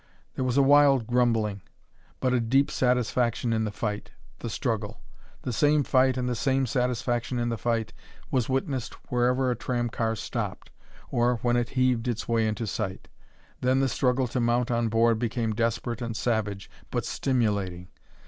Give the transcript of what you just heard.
There was a wild grumbling, but a deep satisfaction in the fight, the struggle. The same fight and the same satisfaction in the fight was witnessed whenever a tram car stopped, or when it heaved its way into sight. Then the struggle to mount on board became desperate and savage, but stimulating.